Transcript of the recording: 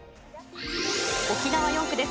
沖縄４区です。